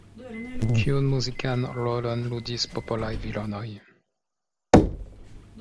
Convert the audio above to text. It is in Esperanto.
Kiun muzikan rolon ludis popolaj virinoj?